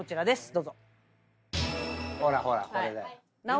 どうぞ。